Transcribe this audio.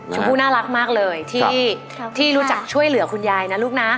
ชมพู่น่ารักมากเลยที่รู้จักช่วยเหลือคุณยายนะลูกนะ